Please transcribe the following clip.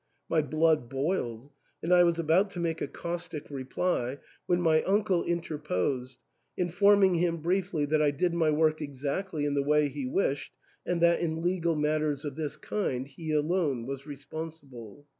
My blood boiled, and I was about to make a caustic reply, when my uncle inter posed, informing him briefly that I did my work exactly in the way he wished, and that in legal matters of this kind he alone was responsible.